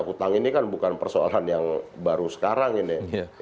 utang ini kan bukan persoalan yang baru sekarang ini